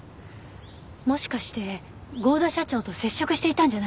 もしかして合田社長と接触していたんじゃないでしょうか？